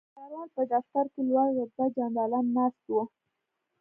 د ډګروال په دفتر کې لوړ رتبه جنرالان ناست وو